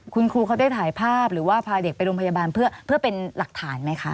คุณครูเขาได้ถ่ายภาพหรือว่าพาเด็กไปโรงพยาบาลเพื่อเป็นหลักฐานไหมคะ